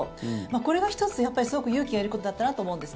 これが１つやっぱりすごく勇気がいることだったなと思うんです。